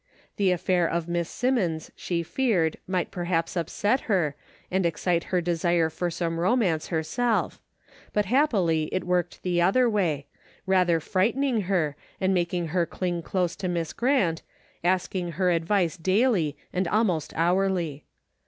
The affair of Miss Simmons, she feared, might perhaps upset her, and excite her desire for some romance her self, but happily it worked the other way, rather frightening her, and making her cling close to Miss Grant, asking her advice daily and almost hourly.